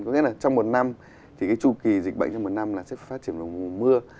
có nghĩa là trong một năm thì tru kỳ dịch bệnh trong một năm sẽ phát triển vào mùa mưa